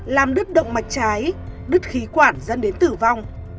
làm đứt động mạch trái đứt khí quản dẫn đến tử vong